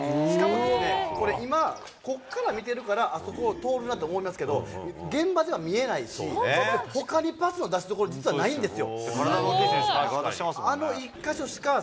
これ、今、こっから見てるから、あそこ通るなって思いますけど、現場では見えないし、ほかにパスの出しどころ、実はないんですよ。